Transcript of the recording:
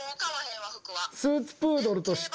スーツプードルとして。